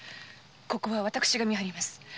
ここは私が見張ります。